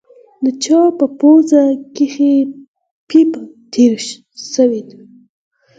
د چا په پوزه کښې پيپ تېر سوى و.